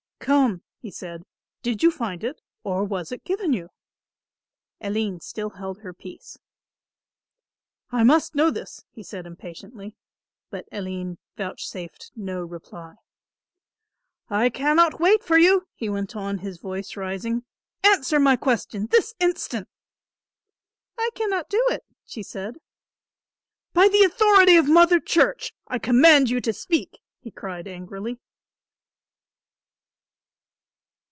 "Come," he said, "did you find it, or was it given you?" Aline still held her peace. "I must know this," he said impatiently, but Aline vouchsafed no reply. "I cannot wait for you," he went on, his voice rising. "Answer my question this instant." "I cannot do it," she said. "By the authority of Mother Church, I command you to speak," he cried angrily.